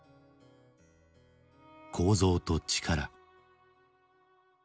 「構造と力」。